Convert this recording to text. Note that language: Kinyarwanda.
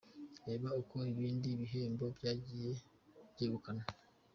Reba uko ibindi bihembo byagiye byegukanwa:.